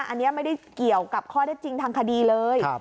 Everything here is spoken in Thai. อันนี้ไม่ได้เกี่ยวกับข้อได้จริงทางคดีเลย